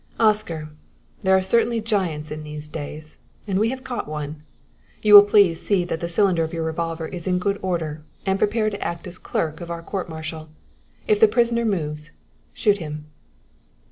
"Oscar, there are certainly giants in these days, and we have caught one. You will please see that the cylinder of your revolver is in good order and prepare to act as clerk of our court martial. If the prisoner moves, shoot him."